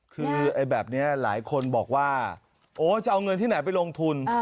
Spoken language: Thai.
คือแบบนี้หลายคนบอกว่าโอ้จะเอาเงินที่ไหนไปลงทุน